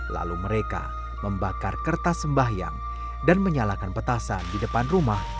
lalu mereka membakar kertas sembahyang dan menyalakan petasan di depan rumah